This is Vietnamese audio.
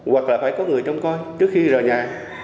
hoặc là phải có người trông coi trước khi rời nhà